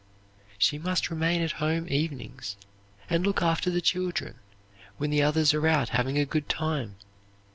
She must remain at home evenings, and look after the children, when the others are out having a good time.